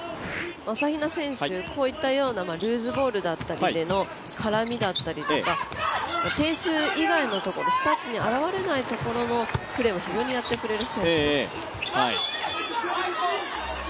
朝比奈選手、こういったルーズボールだったりでの絡みだったりとか、点数以外のところ、スタッツに表れないところのプレーも非常にやってくれる選手です。